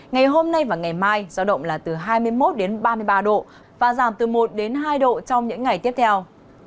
ngày hôm nay và ngày mai giao động là từ hai mươi một ba mươi ba độ và giảm từ một hai độ trong những ngày tiếp theo